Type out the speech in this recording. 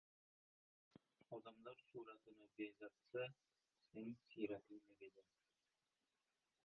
• Odamlar suratini bezatsa, sen siyratingni beza.